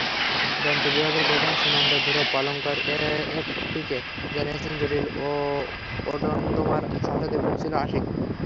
দন্ত বিভাগের প্রধান সুনন্দা ধীবর-পালঙ্কর এএফপিকে জানিয়েছেন, জটিল ওডোনটোমার সমস্যাতে ভুগছিল আশিক।